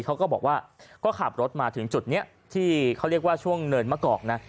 เขาก็บอกว่าก็ขับรถมาถึงจุดนี้ที่เขาเรียกว่าช่วงเนินมะกอกนะ